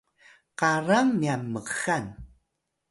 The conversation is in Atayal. karang nyan mxal